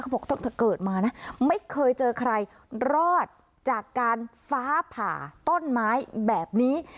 บอกตั้งแต่เกิดมานะไม่เคยเจอใครรอดจากการฟ้าผ่าต้นไม้แบบนี้